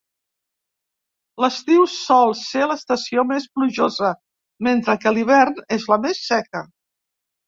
L’estiu sol ser l’estació més plujosa, mentre que l’hivern és la més seca.